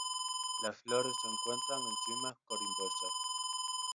Las flores se encuentran en cimas corimbosas.